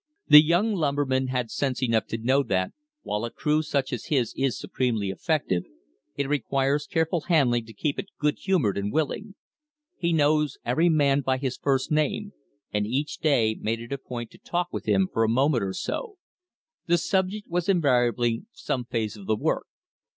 The young lumberman had sense enough to know that, while a crew such as his is supremely effective, it requires careful handling to keep it good humored and willing. He knew every man by his first name, and each day made it a point to talk with him for a moment or so. The subject was invariably some phase of the work.